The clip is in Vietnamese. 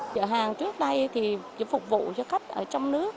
chợ hàng trước đây thì chỉ phục vụ cho khách ở trong nước